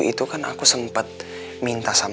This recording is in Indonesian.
iya aku tau